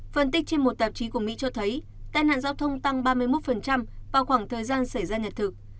phân tích trên một tạp chí của mỹ cho thấy tai nạn giao thông tăng ba mươi một vào khoảng thời gian xảy ra nhật thực